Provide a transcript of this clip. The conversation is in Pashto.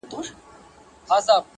لاندي مځکه هره لوېشت ورته سقر دی،